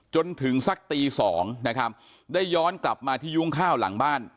จนถึงสักตี๒ได้ย้อนกลับมาที่ยุงข้าวหลังบ้าน